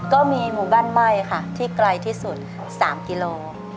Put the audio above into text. ก็มีหมู่บ้านไหม้ค่ะที่ไกลที่สุด๓กิโล